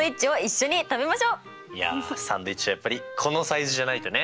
いやサンドイッチはやっぱりこのサイズじゃないとね。